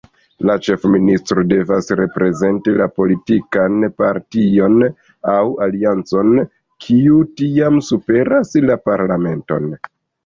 La ĉefministro devas reprezenti la politikan partion aŭ aliancon, kiu tiam superas la Parlamenton.